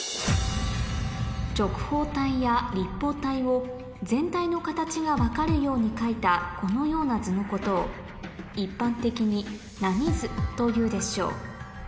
直方体や立方体を全体の形が分かるように描いたこのような図のことを一般的に何図というでしょう？